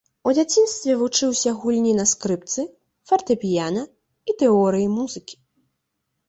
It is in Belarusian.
У дзяцінстве вучыўся гульні на скрыпцы, фартэпіяна і тэорыі музыкі.